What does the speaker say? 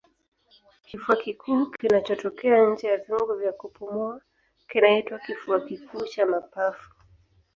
Kifua kikuu kinachotokea nje ya viungo vya kupumua kinaitwa kifua kikuu cha mapafu